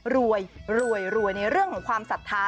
รวยรวยในเรื่องของความศรัทธา